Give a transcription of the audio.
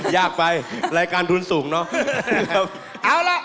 ยากไปรายการทุนสูงเนาะ